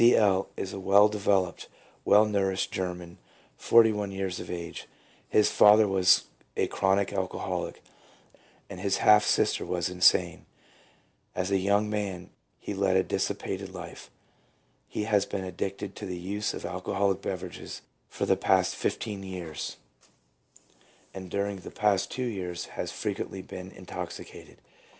L. is a well developed, well nourished German, forty one years of age. His father was a chronic alcoholic, and his half sister was insane. As a young man he led a dissipated life. He has been addicted to the use of alcoholic beverages for the past fifteen years, and 262 PSYCHOLOGY OF ALCOHOLISM. during the past two years has frequently been in toxicated.